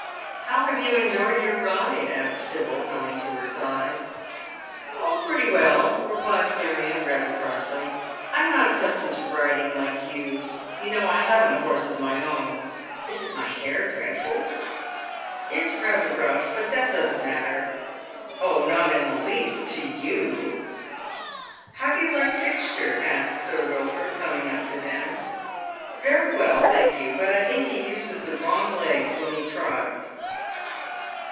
"How have you enjoyed your ride?" asks Sibyl, coming to her side. " Ob, pretty well," replies Marion, rather crossly. " I'm not accustomed to riding, like you, you know I haven't a horse of my own. Isn't my hair dreadful ?"" It's rather rough. But tl)at doesn't matter." " Oh, not in the least — to you." " ilow do you like Fixture ?" asks Sir Wilford, coming up to them. " Very well, thank you. But I think he uses the wrong legs when he trots."